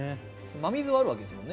真水はあるわけですもんね